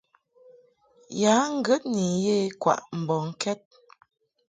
Ya ŋgəd ni ye kwaʼ mbɔŋkɛd.